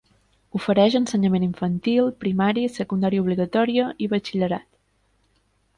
Ofereix ensenyament infantil, primari, secundària obligatòria i batxillerat.